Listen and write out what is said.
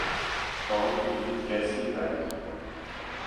Tom کو نیند کیسی ائی؟